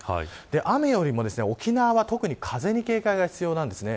雨よりも沖縄は、風に警戒が必要です。